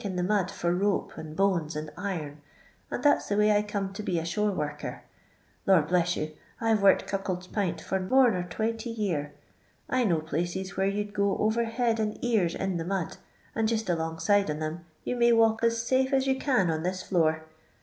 in the mud for rope, and bones, and iron, and that 's the way t coined to be a shore worker. I^or bless you, I 've worked Cuckold s P'ipt (or more nor twenty year. 1 know places where you 'd go over head and ears .in the mud, and jist alongside on 'em you may walk as safe as you can on this floor.